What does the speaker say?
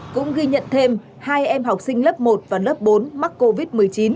cũng ghi nhận thêm hai em học sinh lớp một và lớp bốn mắc covid một mươi chín